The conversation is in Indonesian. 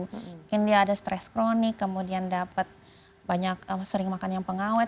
mungkin dia ada stres kronik kemudian dapat banyak sering makan yang pengawet